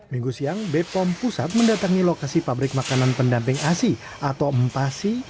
minggu siang b pom pusat mendatangi lokasi pabrik makanan pendamping asi atau mpasi